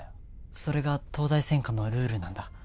それが東大専科のルールなんだ